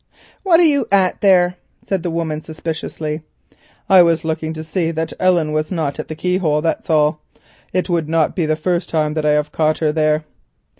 "What are you at there?" said the woman suspiciously. "I was just looking to see that Ellen was not at the key hole, that's all. It would not be the first time that I have caught her there."